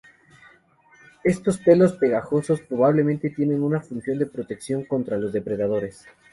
Estos pelos pegajosos probablemente, tienen una función de protección contra los depredadores.